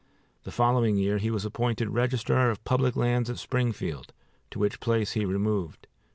The following year he was appointed Register of Public Lands at Springfield, to which place he removed.